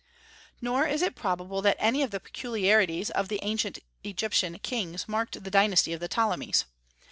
Nor is it probable that any of the peculiarities of the ancient Egyptian kings marked the dynasty of the Ptolemies.